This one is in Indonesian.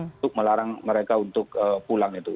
untuk melarang mereka untuk pulang itu